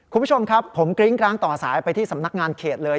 คุณผู้ชมครับผมกริ้งกร้างต่อสายไปที่สำนักงานเขตเลย